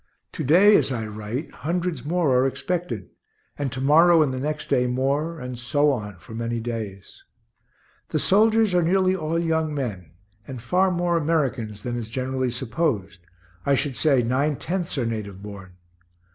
To day, as I write, hundreds more are expected; and to morrow and the next day more, and so on for many days. The soldiers are nearly all young men, and far more Americans than is generally supposed I should say nine tenths are native born.